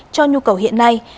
cho nhu cầu hiện nay